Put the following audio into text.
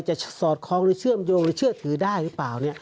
สอดคล้องหรือเชื่อมโยงหรือเชื่อถือได้หรือเปล่า